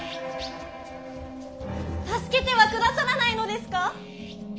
助けてはくださらないのですか？